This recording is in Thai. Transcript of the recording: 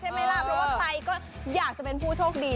ไหมล่ะเพราะว่าใครก็อยากจะเป็นผู้โชคดี